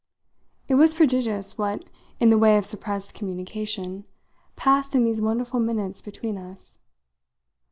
It was prodigious what, in the way of suppressed communication, passed in these wonderful minutes between us.